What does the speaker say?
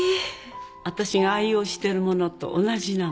私が愛用してるものと同じなの。